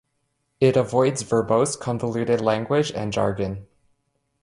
It avoids verbose, convoluted language and jargon.